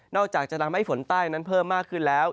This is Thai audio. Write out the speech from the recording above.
อกจากจะทำให้ฝนใต้นั้นเพิ่มมากขึ้นแล้ว